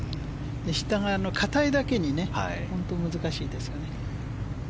下が硬いだけに本当に難しいですよね。